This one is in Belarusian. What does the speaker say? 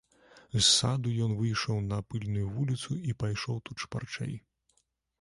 З саду ён выйшаў на пыльную вуліцу і пайшоў тут шпарчэй.